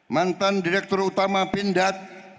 mantan direktur utama pindad